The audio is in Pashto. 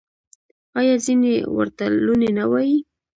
آیا ځینې ورته لوني نه وايي؟